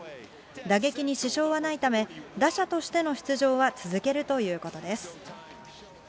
打撃に支障はないため、打者としての出場は続けるということです。